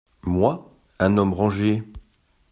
Moi ; un homme rangé !…